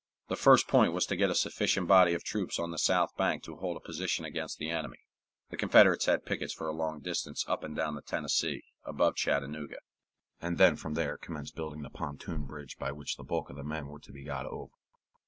The first point was to get a sufficient body of troops on the south bank to hold a position against the enemy (the Confederates had pickets for a long distance up and down the Tennessee, above Chattanooga), and then from there commence building the pontoon bridge by which the bulk of the men were to be got over.